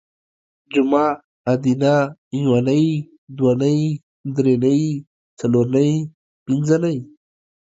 جومه ادینه یونۍ دونۍ درېنۍ څلورنۍ پنځنۍ